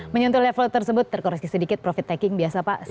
menyentuh level tersebut terkoreksi sedikit profit taking biasa pak